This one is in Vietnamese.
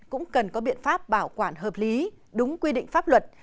cũng cần có biện pháp bảo quản hợp lý đúng quy định pháp luật